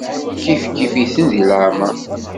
Kifkif-iten di leɛmeṛ.